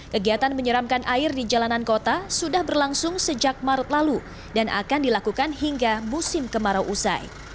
kegiatan menyeramkan air di jalanan kota sudah berlangsung sejak maret lalu dan akan dilakukan hingga musim kemarau usai